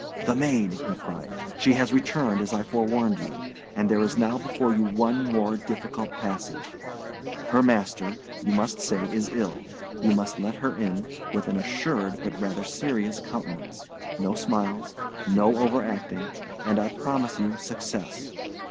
"The maid!" he cried. "She has returned, as I forewarned you, and there is now before you one more difficult passage. Her master, you must say, is ill; you must let her in, with an assured but rather serious countenance; no smiles, no overacting, and I promise you success!